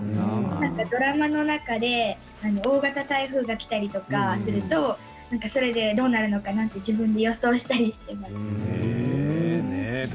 ドラマの中で大型台風がきたりとかするとどうなるのかなと自分で予想したりしていました。